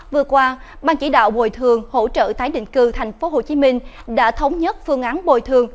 vừa qua ban chỉ đạo bồi thường hỗ trợ tái định cư thành phố hồ chí minh đã thống nhất phương án bồi thường